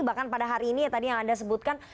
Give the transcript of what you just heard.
bahkan pada hari ini yang tadi anda sebutkan